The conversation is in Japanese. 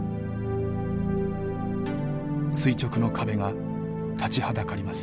垂直の壁が立ちはだかります。